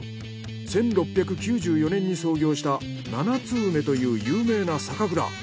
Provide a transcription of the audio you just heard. １６９４年に創業した七ツ梅という有名な酒蔵。